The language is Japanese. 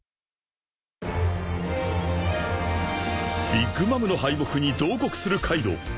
［ビッグ・マムの敗北に慟哭するカイドウ］